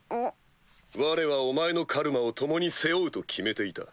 われはお前のカルマを共に背負うと決めていた。